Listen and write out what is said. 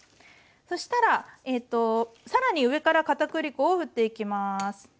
そしたら更に上からかたくり粉をふっていきます。